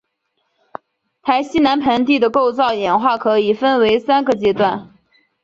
台西南盆地的构造演化可以分为三个阶段。